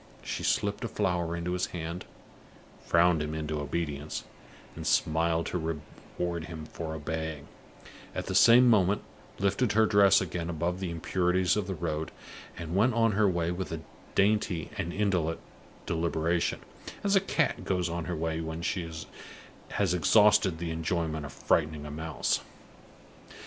She slipped a flower into his hand frowned him into obedience, and smiled to reward him for obeying, at the same moment lifted her dress again above the impurities of the road and went on her way with a dainty and indolent deliberation, as a cat goes on her way when she has exhausted the enjoyment of frightening a mouse.